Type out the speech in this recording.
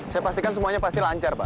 saya pastikan semuanya pasti lancar pak